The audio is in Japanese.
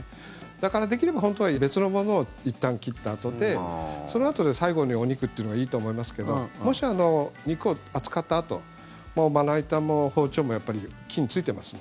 だから、できれば本当は別のものをいったん切ったあとでそのあと最後にお肉っていうのがいいと思いますけどもし、肉を扱ったあとまな板も包丁もやっぱり菌ついてます。